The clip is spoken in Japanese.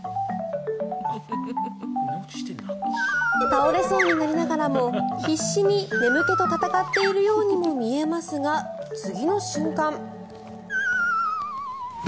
倒れそうになりながらも必死に眠気と闘っているようにも見えますが次の瞬間。